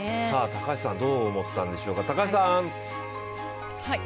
高橋さんはどう思ったんでしょうか。